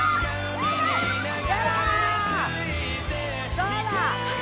どうだ！